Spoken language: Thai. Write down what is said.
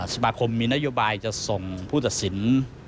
สมาคมมีนโยบายจะส่งภูตศิลป์